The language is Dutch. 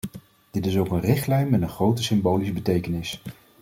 Dit is ook een richtlijn met een grote symbolische betekenis.